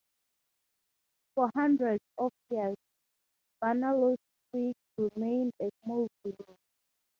For hundreds of years, Barnoldswick remained a small village.